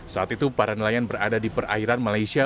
saat itu para nelayan berada di perairan malaysia